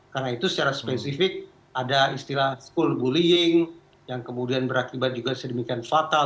karena itu secara spesifik ada istilah school bullying yang kemudian berakibat juga sedemikian fatal